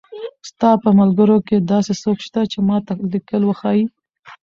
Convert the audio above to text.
ستا په ملګرو کښې داسې څوک شته چې ما ته ليکل وښايي